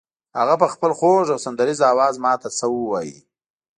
هغه به په خپل خوږ او سندریزه آواز ماته څه ووایي.